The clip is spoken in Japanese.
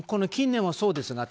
近年はそうです。